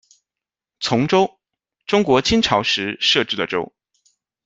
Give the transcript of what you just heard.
崇州，中国金朝时设置的州。